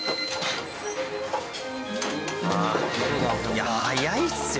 ああ早いっすよ